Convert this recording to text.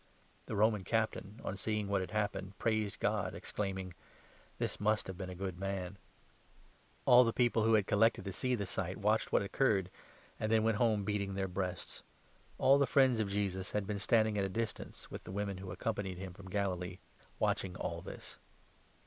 The Roman Captain, 47 on seeing what had happened, praised God, exclaiming :" This must have been a good man !" All the people who had collected to see the sight watched what 48 occurred, and then went home beating their breasts. All 49 the friends of Jesus had been standing at a distance, with the women who accompanied him from Galilee, watching all this.